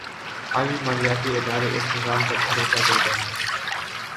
عالمی مالیاتی ادارے اس نظام پر بھروسہ کرتے ہیں۔